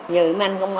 nhưng mà anh không biết